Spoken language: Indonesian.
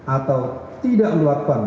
atau tidak melakukan